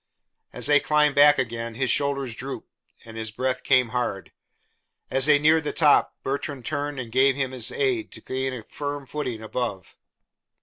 As they climbed back again, his shoulders drooped and his breath came hard. As they neared the top, Bertrand turned and gave him his aid to gain a firm footing above.